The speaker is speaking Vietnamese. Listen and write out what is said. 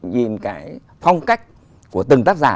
nhìn cái phong cách của từng tác giả